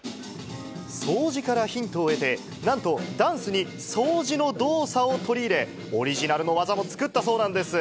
掃除からヒントを得て、なんと、ダンスに掃除の動作を取り入れ、オリジナルの技を作ったそうなんです。